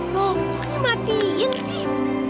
loh kok dia matiin sih